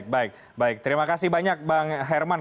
baik baik terima kasih banyak bang herman